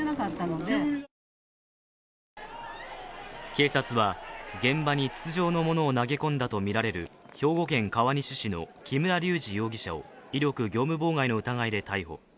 警察は、現場に筒状のものを投げ込んだとみられる兵庫県川西市の木村隆二容疑者を威力業務妨害の疑いで逮捕。